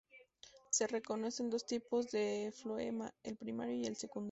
Se reconocen dos tipos de floema: el primario y el secundario.